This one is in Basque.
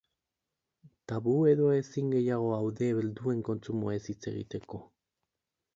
Tabu edo ezin gehiago aude helduen kontsumoez hitz egiteko.